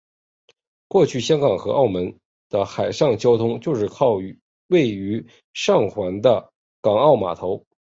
过去香港和澳门的海上交通就只靠位于上环的港澳码头。